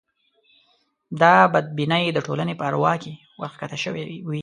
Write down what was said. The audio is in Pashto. دا بدبینۍ د ټولنې په اروا کې ورکښته شوې وې.